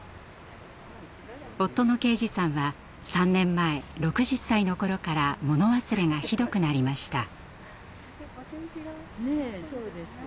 夫の佳児さんは３年前６０歳の頃から物忘れがひどくなりました。